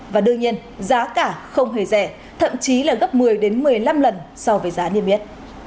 và đương nhiên giá cả không hề rẻ thậm chí là gấp một mươi một mươi năm lần so với giá niêm yết